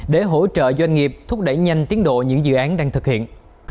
để hỗ trợ doanh nghiệp thúc đẩy nhanh tiến độ những dự án đang thực hiện